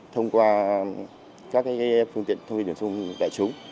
thông qua các phương tiện thông tin truyền thông đại chúng